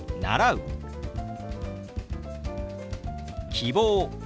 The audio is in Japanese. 「希望」。